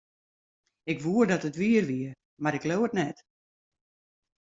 Ik woe dat it wier wie, mar ik leau it net.